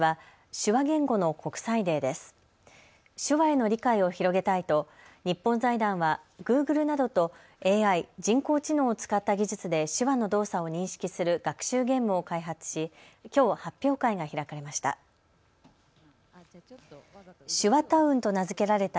手話への理解を広げたいと日本財団はグーグルなどとＡＩ・人工知能を使った技術で手話の動作を認識する学習ゲームを開発し、きょう発表会が開かれました。